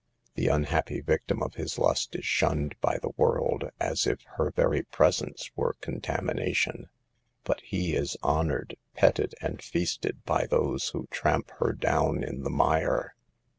The unhappy victim of his lust is shunned by the world as if her very presence were con tamination, but he is honored, petted and feasted by those who tramp her down in the mire.